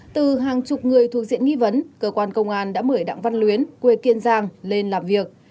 từ hàng chục người thuộc diện nghi vấn cơ quan công an đã mời đặng văn luyến quê kiên giang lên làm việc